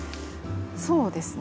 そうですね。